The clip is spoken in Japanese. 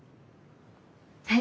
はい。